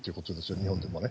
日本でもね。